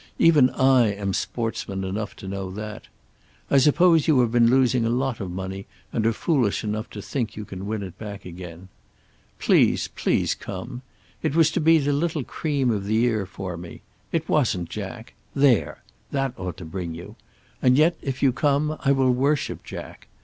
Even I am sportsman enough to know that. I suppose you have been losing a lot of money and are foolish enough to think you can win it back again. Please, please come. It was to be the little cream of the year for me. It wasn't Jack. There! That ought to bring you. And yet, if you come, I will worship Jack.